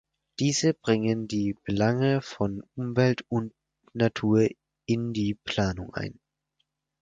Diese bringen die Belange von Umwelt und Natur in die Planung ein.